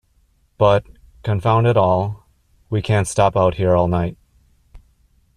But, confound it all, we can't stop out here all night.